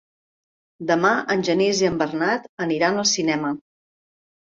Demà en Genís i en Bernat aniran al cinema.